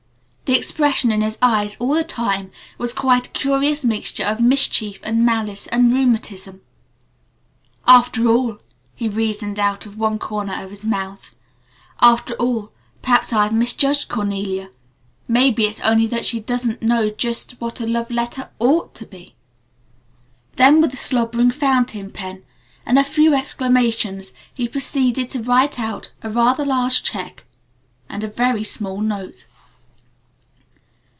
The expression in his eyes all the time was quite a curious mixture of mischief and malice and rheumatism. "After all" he reasoned, out of one corner of his mouth, "After all, perhaps I have misjudged Cornelia. Maybe it's only that she really doesn't know just what a love letter OUGHT to be like." Then with a slobbering fountain pen and a few exclamations he proceeded to write out a rather large check and a very small note.